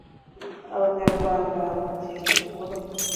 Abanyarwanda mu gihe cy’ubukoroni .